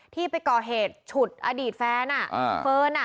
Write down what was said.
ที่ไปก่อเหตุฉุดอดีตแฟนเฟิร์นอ่ะ